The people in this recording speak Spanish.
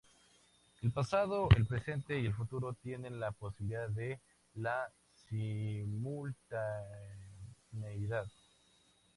El pasado, el presente y el futuro tienen la posibilidad de la simultaneidad.